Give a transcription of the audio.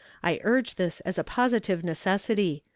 I urge this as a positive necessity.